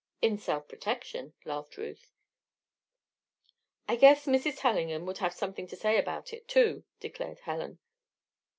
"In self protection," laughed Ruth. "I guess Mrs. Tellingham would have something to say about it, too," declared Helen.